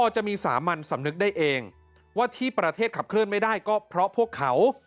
จะมีสามัญสำนึกได้เองว่าที่ประเทศขับเคลื่อนไม่ได้ก็เพราะพวกเขา